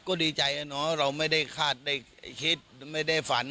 ก็ดีใจนะเนาะเราไม่ได้คาดได้คิดไม่ได้ฝัน